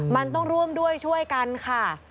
มันต้องร่วมด้วยช่วยกันค่ะ